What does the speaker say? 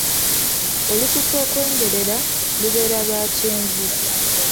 Olususu okwengerera, lubeera lwa kyenvu.